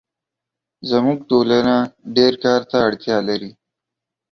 زموږ ټولنه ډېرکار ته اړتیا لري